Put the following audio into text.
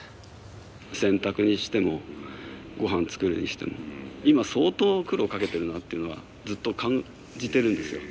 洗濯にしてもごはん作るにしても今相当苦労かけてるなっていうのはずっと感じてるんですよ。